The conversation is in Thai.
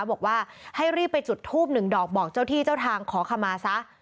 บอกว่าให้รีบไปจุดทูบหนึ่งดอกบอกเจ้าที่เจ้าทางขอขมาซะ